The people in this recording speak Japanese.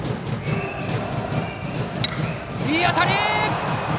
いい当たり！